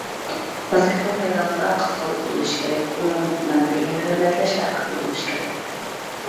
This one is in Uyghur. ۋاسكېتبول مەيدانىدا قىزغىنلىق بولۇشى كېرەك، بۇنىڭ بىلەن بىرگە يەنە ھۆرمەتلەش ۋە ئەقىل بولۇشى كېرەك.